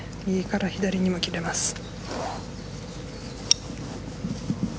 右から左にも切れます。